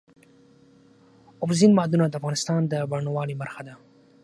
اوبزین معدنونه د افغانستان د بڼوالۍ برخه ده.